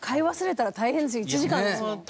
１時間ですもん。